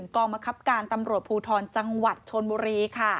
กองบังคับการตำรวจภูทรจังหวัดชนบุรีค่ะ